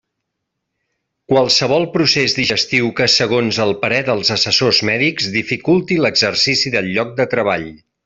Qualsevol procés digestiu que, segons el parer dels assessors mèdics, dificulte l'exercici del lloc de treball.